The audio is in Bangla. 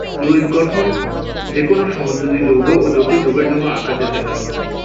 লুইস গঠন যেকোনো সমযোজী যোগ ও জটিল যোগের জন্য আঁকা যেতে পারে।